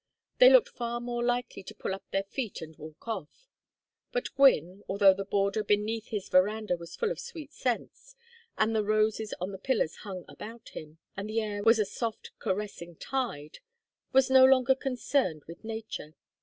They looked far more likely to pull up their feet and walk off. But Gwynne, although the border beneath his veranda was full of sweet scents, and the roses on the pillars hung about him, and the air was a soft caressing tide, was no longer concerned with nature.